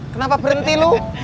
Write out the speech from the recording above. kenapa berhenti lu